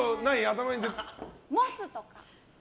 モスとか？